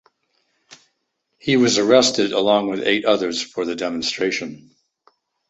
He was arrested along with eight others for the demonstration.